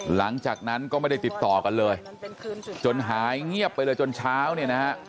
หลังจากนั้นก็ไม่ได้ติดต่อกันเลยจนหายเงียบไปเลยจนเช้าเนี่ยนะฮะ